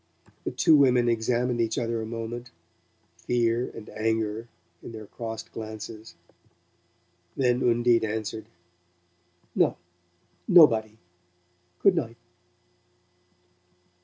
The two women examined each other a moment, fear and anger in their crossed glances; then Undine answered: "No, nobody. Good night."